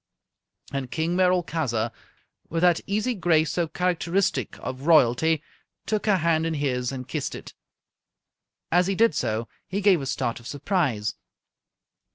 And King Merolchazzar, with that easy grace so characteristic of Royalty, took her hand in his and kissed it. As he did so, he gave a start of surprise.